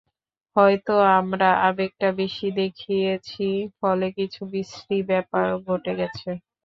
হয়তো আমরা আবেগটা বেশি দেখিয়েছি, ফলে কিছু বিশ্রী ব্যাপার ঘটে গেছে।